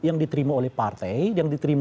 yang diterima oleh partai yang diterima